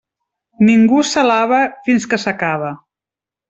Ningú s'alabe fins que s'acabe.